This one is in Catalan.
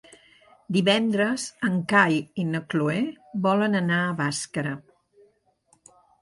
Divendres en Cai i na Cloè volen anar a Bàscara.